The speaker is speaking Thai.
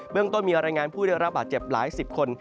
เรื่องต้นมีรายงานผู้ได้รับบาดเจ็บหลายสิบคน